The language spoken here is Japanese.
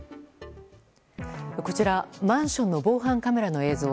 こちらマンションの防犯カメラの映像。